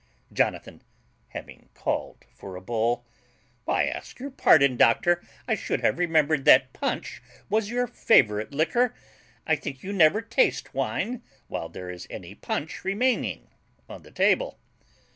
JONATHAN (having called for a bowl). I ask your pardon, doctor; I should have remembered that punch was your favourite liquor. I think you never taste wine while there is any punch remaining on the table.